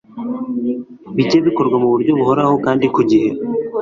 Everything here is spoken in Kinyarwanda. bijye bikorwa mu buryo buhoraho kandi ku gihe